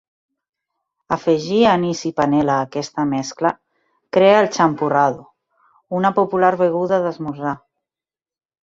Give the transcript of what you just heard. Afegir "anís" i "panela" a aquesta mescla crea el "champurrado", una popular beguda d'esmorzar.